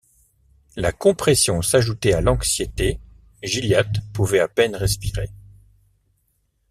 La compression s’ajoutait à l’anxiété ; Gilliatt pouvait à peine respirer.